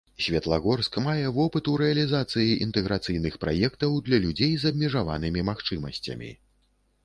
Светлагорск мае вопыт у рэалізацыі інтэграцыйных праектаў для людзей з абмежаванымі магчымасцямі.